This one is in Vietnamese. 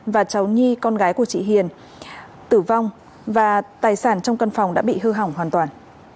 và cháu nhi con gái của chị hiền tử vong và tài sản trong căn phòng đã bị hư hỏng hoàn toàn